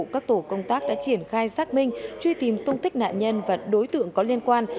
các tổ công tác đã triển khai xác minh truy tìm tung tích nạn nhân và đối tượng có liên quan